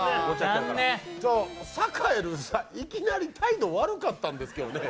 サカエル、いきなり態度が悪かったんですけどね。